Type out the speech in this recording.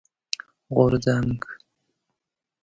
غورځنګ